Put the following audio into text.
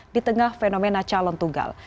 di tengah fenomena calon tunggal